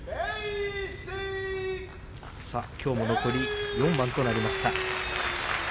きょうも残り４番となりました。